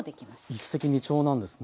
一石二鳥なんですね。